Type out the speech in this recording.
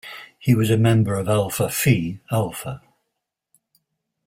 He was a member of Alpha Phi Alpha.